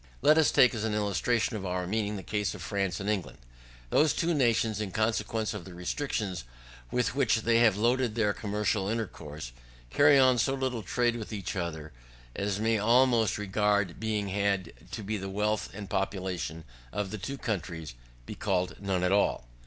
Let us take, as an illustration of our meaning, the case of France and England. Those two nations, in consequence of the restrictions with which they have loaded their commercial intercourse, carry on so little trade with each other, as may almost, regard being had to the wealth and population of the two countries, be called none at all.